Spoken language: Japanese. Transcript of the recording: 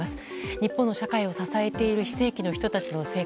日本の社会を支えている非正規の人たちの生活